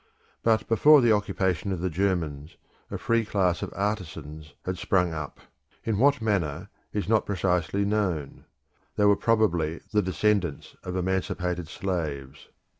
But before the occupation of the Germans, a free class of artisans had sprung up, in what manner is not precisely known; they were probably the descendants of emancipated slaves.